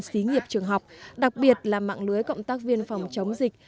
xí nghiệp trường học đặc biệt là mạng lưới cộng tác viên phòng chống dịch